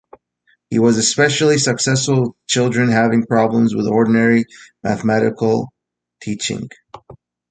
He was especially successful with children having problems with ordinary mathematical teaching.